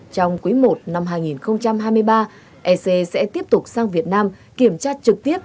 trong quý i năm hai nghìn hai mươi ba ec sẽ tiếp tục sang việt nam kiểm tra trực tiếp